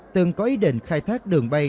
từng có ý định khai thác đường bay